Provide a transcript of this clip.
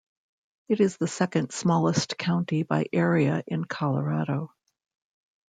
It is the second-smallest county by area in Colorado.